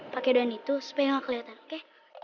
pake doan itu supaya nggak keliatan oke